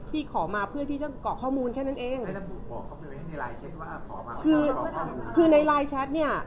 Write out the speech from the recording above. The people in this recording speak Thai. พี่ขอมาเพื่อที่จะกรอกข้อมูลแค่นั้นเองในไลน์แชทเนี่ย